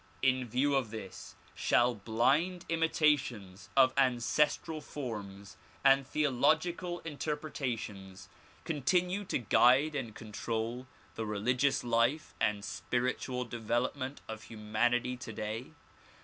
In view of this, shall blind imitations of ancestral forms and theological interpretations con tinue to guide and control the religious life and spiritual develop ment of humanity today?